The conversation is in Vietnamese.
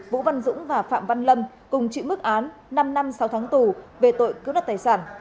vũ văn dũng và phạm văn lâm cùng chịu mức án năm năm sáu tháng tù về tội cướp đặt tài sản